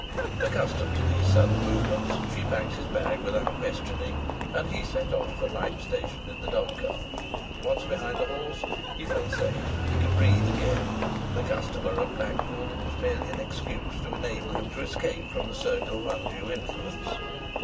Accustomed to these sudden movements, she packed his bag without questioning, and he set off for Knype station in the dogcart. Once behind the horse he felt safe, he could breathe again. The customer at Blackpool was merely an excuse to enable him to escape from the circle of undue influence.